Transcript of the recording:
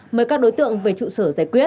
mời các đối tượng về trụ sở giải quyết